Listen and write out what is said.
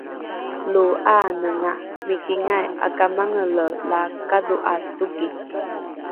lo ’aanenga mikingai ’akamangele la kadho’a toki